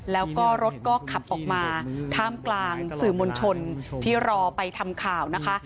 แล้วก็รถก็ขับออกมาท่ามกลางสื่อมวลชนที่รอไปทำข่าวนะคะ